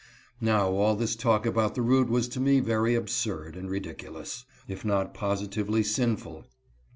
Now all this talk about the root was to me very absurd and ridiculous, if not positively sinful.